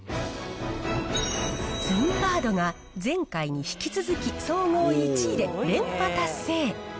ツインバードが、前回に引き続き総合１位で連覇達成。